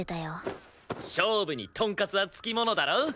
勝負にとんかつは付きものだろ！